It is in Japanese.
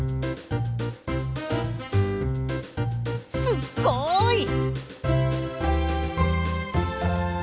すっごい！